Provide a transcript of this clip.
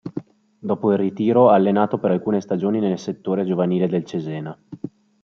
Dopo il ritiro ha allenato per alcune stagioni nel settore giovanile del Cesena.